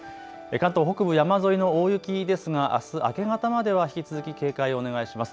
関東北部山沿いの大雪ですがあす明け方までは引き続き警戒をお願いします。